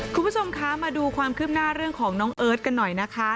คุณผู้ชมคะมาดูความคืบหน้าเรื่องของน้องเอิร์ทกันหน่อยนะคะ